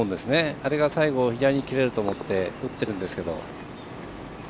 あれが最後左に切れると思って打ってると思うんですけど。